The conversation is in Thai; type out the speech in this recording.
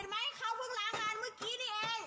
ลายเสร็จแล้ว